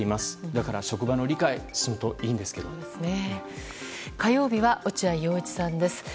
だから職場の理解も火曜日は落合陽一さんです。